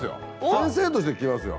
先生として来ますよ。